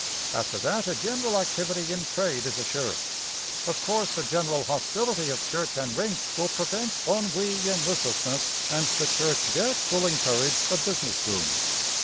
After that a general activity in trade is assured. Of course the general hostility of church and rink will prevent ennui and listlessness, and the church debt will encourage a business boom.